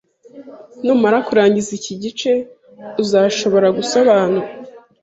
Numara kurangiza iki gice uzashobora gusobanura